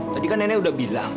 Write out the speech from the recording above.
tadi kan nenek udah bilang